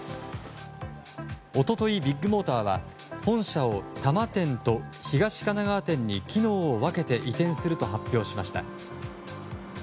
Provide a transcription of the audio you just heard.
一昨日、ビッグモーターは本社を多摩店と東神奈川店に機能を分けて移転すると発表しました。